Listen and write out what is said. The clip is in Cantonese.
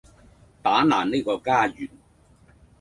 打爛呢個家園